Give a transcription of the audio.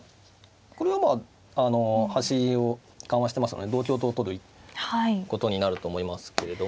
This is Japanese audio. これはまあ端を緩和してますので同香と取ることになると思いますけれども。